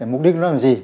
mục đích nó làm gì